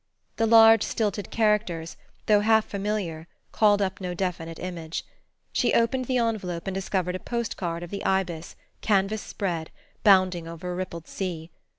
The large stilted characters, though half familiar, called up no definite image. She opened the envelope and discovered a post card of the Ibis, canvas spread, bounding over a rippled sea.